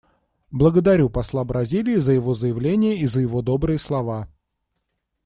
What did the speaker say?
Благодарю посла Бразилии за его заявление и за его добрые слова.